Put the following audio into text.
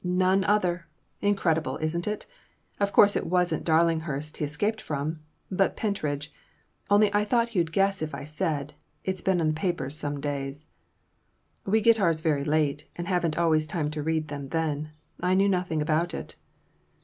None other! Incredible, isn't it? Of course it wasn't Darlinghurst he escaped from, but Pentridge; only I thought you'd guess if I said; it's been in the papers some days." "We get ours very late, and haven't always time to read them then. I knew nothing about it."